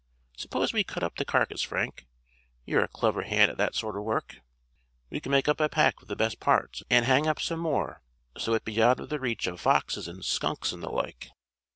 Suppose we cut up the carcass, Frank? You're a clever hand at that sort of work. We could make up a pack of the best parts; and hang up some more so it'd be out of the reach of foxes and skunks, and the like."